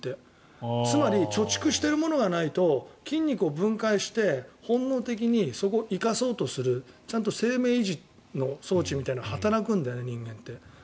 つまり貯蓄しているものがないと筋肉を分解して本能的に生かそうとするちゃんと生命維持の装置が働くんだよね。